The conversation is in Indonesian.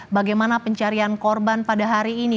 bagaimana pencarian korban pada hari ini